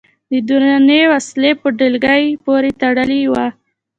د درنې وسلې په ډلګۍ پورې تړلي و.